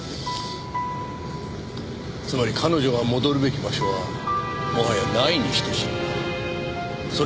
つまり彼女が戻るべき場所はもはやないに等しいんだ。